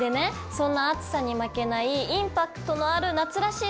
そんな暑さに負けないインパクトのある夏らしい